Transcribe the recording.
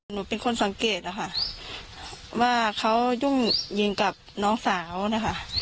หนูเป็นคนสังเกตนะคะว่าเขายุ่งยิงกับน้องสาวนะคะ